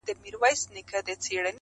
• څه باندي پنځوس کاله به کیږي -